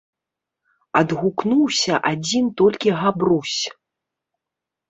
- адгукнуўся адзiн толькi Габрусь.